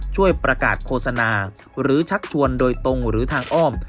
ช่วยประกาศโฆษณาหรือชักชวนโดยตรงหรือทางอ้อม